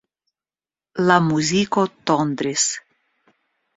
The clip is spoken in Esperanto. La muziko tondris.